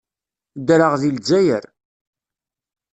Ddreɣ deg Lezzayer.